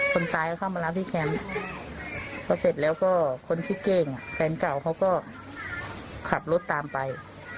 คนตายก็เข้ามารับที่แคมป์พอเสร็จแล้วก็คนชื่อเก้งแฟนเก่าเขาก็ขับรถตามไป